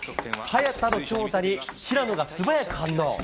早田の強打に平野が素早く反応。